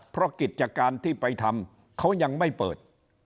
เพราะกิจการที่ไปทำเขายังไม่เปิด